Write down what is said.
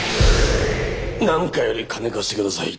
なんかより金貸してください。